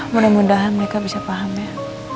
mudah mudahan mereka bisa paham ya